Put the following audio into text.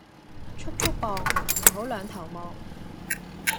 速速磅，唔好兩頭望